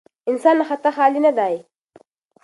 انسان له خطا خالي نه دی.